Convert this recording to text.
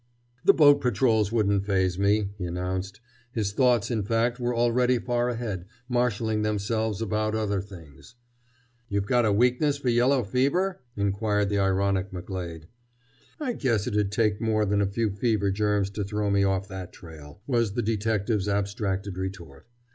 "The boat patrols wouldn't phase me," he announced. His thoughts, in fact, were already far ahead, marshaling themselves about other things. "You've a weakness for yellow fever?" inquired the ironic McGlade. "I guess it'd take more than a few fever germs to throw me off that trail," was the detective's abstracted retort.